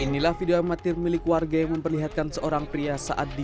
inilah video amatir milik warga yang memperlihatkan seorang pria saat di